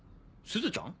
すずちゃん？